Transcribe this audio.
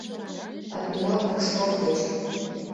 Адмирал Горшков деч».